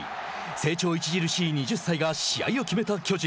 成長著しい２０歳が試合を決めた巨人。